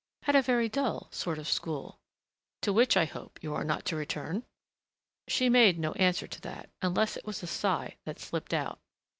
"At a very dull sort of school." "To which, I hope, you are not to return?" She made no answer to that unless it was a sigh that slipped out.